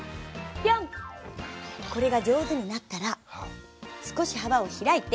これが上手になったら少し幅を開いて。